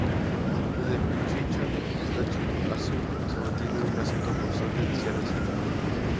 Desde Pichincha hasta Chimborazo se mantiene un acento constante de sierra central.